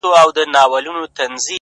زه مي پر خپلي بې وسۍ باندي پښېمان هم يم!